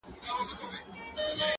سونډان مي وسوځېدل؛